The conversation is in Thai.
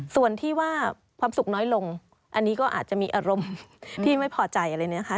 ส่วนที่ว่าความสุขน้อยลงอันนี้ก็อาจจะมีอารมณ์ที่ไม่พอใจอะไรนะคะ